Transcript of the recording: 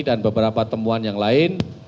dan beberapa temuan yang lain